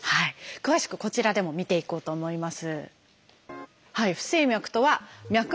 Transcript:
詳しくこちらでも見ていこうと思います。